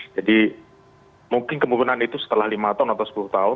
jadi mungkin kemungkinan itu setelah lima tahun ya kita bisa naik ke bandung